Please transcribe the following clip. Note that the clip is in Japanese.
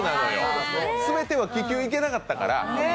全ては気球、いけなかったから。